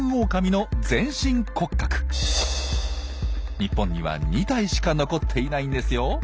日本には２体しか残っていないんですよ。